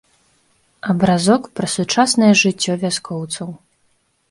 Абразок пра сучаснае жыццё вяскоўцаў.